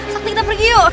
sakit kita pergi yuk